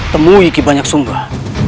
temui banyak sumber